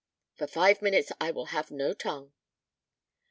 "For five minutes I will have no tongue."